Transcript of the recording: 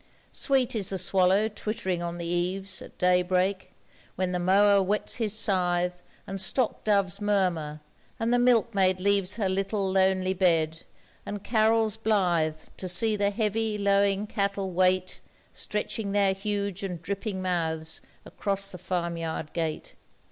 Sweet is the swallow twittering on the eaves At daybreak, when the mower whets his scythe, And stock doves murmur, and the milkmaid leaves Her little lonely bed, and carols blithe To see the heavy lowing cattle wait Stretching their huge and dripping mouths across the farmyard gate.